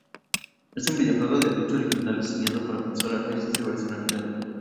Es un videojuego de lucha original diseñado para consola, no existe versión arcade.